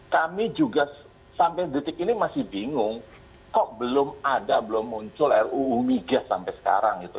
kami juga sampai detik ini masih bingung kok belum ada belum muncul ruu migas sampai sekarang gitu